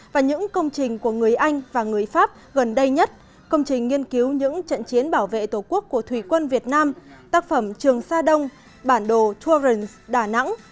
và những công trình của người anh và người pháp gần đây nhất công trình nghiên cứu những trận chiến bảo vệ tổ quốc của thủy quân việt nam tác phẩm trường sa đông bản đồ tourance đà nẵng